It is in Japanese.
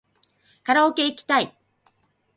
カラオケいきたい